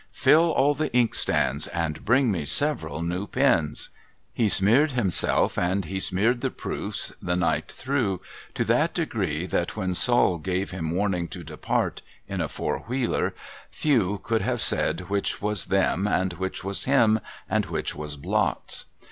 Fill all the inkstands, and bring me several new pens.' He smeared himself and he smeared the Proofs, the night through, to that degree that when Sol gave him warning to depart (in a four wheeler), few could have said which was them, and which was him, and which was blots.